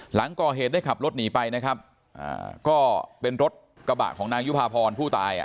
หลังก่อเหตุได้ขับรถหนีไปนะครับก็เป็นรถกระบะของนางยุภาพรผู้ตายอ่ะ